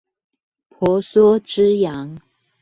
婆娑之洋